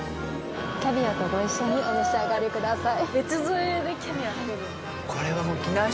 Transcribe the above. キャビアとご一緒にお召し上がりください。